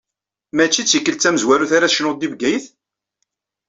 Mačči d tikkelt tamezwarut ara tecnuḍ di Bgayet?